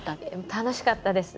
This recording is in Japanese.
楽しかったです。